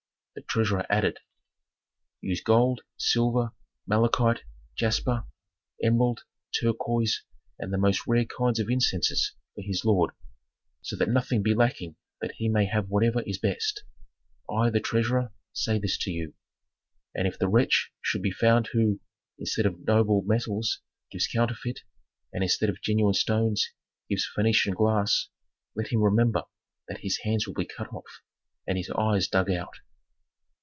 The treasurer added, "Use gold, silver, malachite, jasper, emerald, turquoise, and the most rare kinds of incenses for this lord, so that nothing be lacking that he may have whatever is best. I, the treasurer, say this to you. And if the wretch should be found who, instead of noble metals, gives counterfeit, and instead of genuine stones, gives Phœnician glass, let him remember that his hands will be cut off and his eyes dug out."